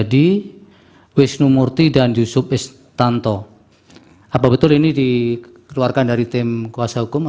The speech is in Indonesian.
dari prinsipal dan tim kuasa hukum